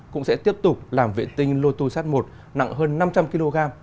cũng sẽ tiếp tục làm vệ tinh lotus một nặng hơn năm trăm linh kg